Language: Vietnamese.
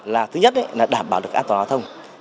là thứ nhất là đảm bảo được an toàn giao thông